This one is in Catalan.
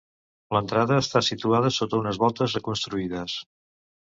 L'entrada està situada sota unes voltes reconstruïdes.